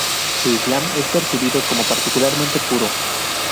Su islam es percibido como particularmente puro.